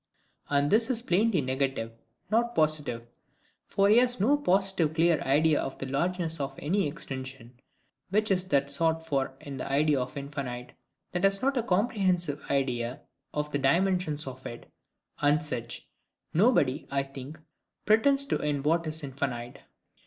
And this is plainly negative: not positive. For he has no positive clear idea of the largeness of any extension, (which is that sought for in the idea of infinite), that has not a comprehensive idea of the dimensions of it: and such, nobody, I think, pretends to in what is infinite.